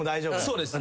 そうです。